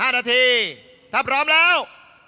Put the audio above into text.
๕นาทีพร้อมแล้ว